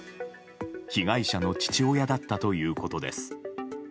被害者の父親だったということです。